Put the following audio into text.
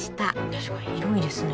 確かに広いですね